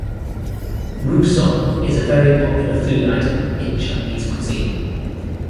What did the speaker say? "Rousong" is a very popular food item in Chinese cuisine.